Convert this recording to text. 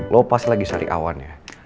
lo pasti lagi cari awan ya